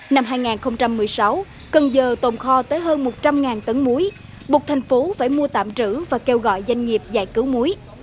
năm hai nghìn một mươi sáu cần giờ tồn kho tới hơn một trăm linh tấn muối buộc thành phố phải mua tạm trữ và kêu gọi doanh nghiệp giải cứu muối